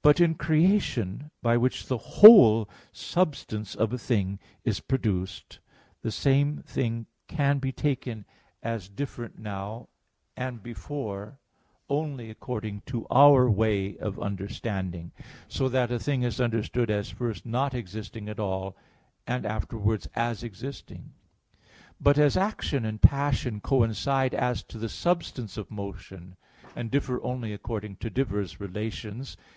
But in creation, by which the whole substance of a thing is produced, the same thing can be taken as different now and before only according to our way of understanding, so that a thing is understood as first not existing at all, and afterwards as existing. But as action and passion coincide as to the substance of motion, and differ only according to diverse relations (Phys.